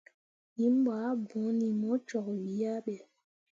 Him ɓo ah bõoni mo cok wii ah ɓe.